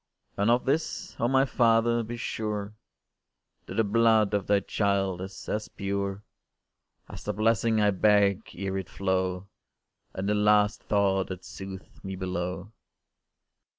And of this, oh, my Father! be sure That the blood of thy child is as pure As the blessing I beg ere it flow, And the last thought that soothes me below.